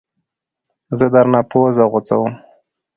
زه درنه پوزه غوڅوم